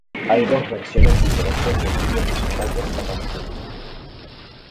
Hay dos versiones diferentes del video musical de esta canción.